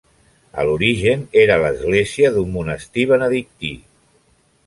A l'origen era l'església d'un monestir benedictí.